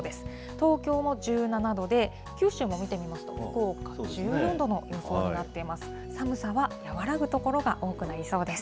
東京も１７度で、九州も見てみますと、福岡１４度の予想になっています。